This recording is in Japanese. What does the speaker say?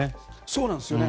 そうなんですよね。